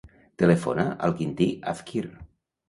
Telefona al Quintí Afkir.